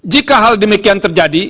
jika hal demikian terjadi